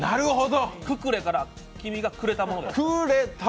ククレから、「君がくれたもの」です。